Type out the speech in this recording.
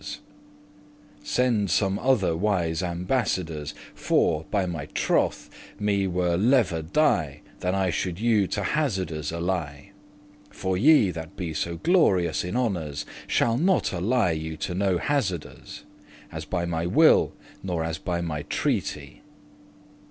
* *gamblers Sende some other wise ambassadors, For, by my troth, me were lever* die, *rather Than I should you to hazardors ally. For ye, that be so glorious in honours, Shall not ally you to no hazardours, As by my will, nor as by my treaty."